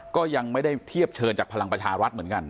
ก็ยังไม่ได้เทียบเชิญจากพลังประชารัฐเหมือนกัน